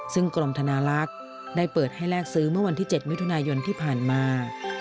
ซึ่งกรมธนาลักษณ์ได้เปิดให้แลกซื้อเมื่อวันที่๗มิถุนายนที่ผ่านมา